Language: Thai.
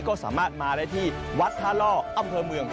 ก็สามารถมาได้ที่วัดท่าล่ออำเภอเมือง